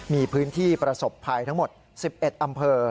มีพื้นที่ประสบภัยทั้งหมด๑๑อำเภอ